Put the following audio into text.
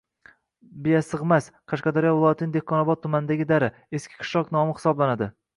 Biyasig‘mas – Qashdaryo viloyatining Dehqonobod tumanidagi dara, eski qishloq nomi hisoblanadi